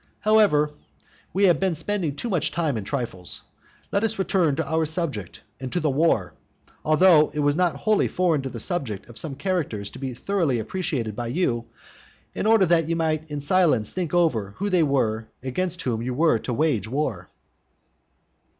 VI. However, we have been spending too much time in trifles. Let us return to our subject and to the war. Although it was not wholly foreign to the subject for some characters to be thoroughly appreciated by you, in order that you might in silence think over who they were against whom you were to wage war.